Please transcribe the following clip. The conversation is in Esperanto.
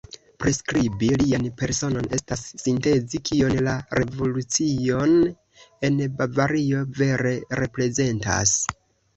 Priskribi lian personon estas sintezi kion la revolucio en Bavario vere reprezentas.